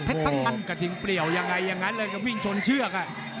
เพชรพังงานกระถิ่งเปลี่ยวยังไงยังงั้นก็วิ่งชนเชือกอ่ะ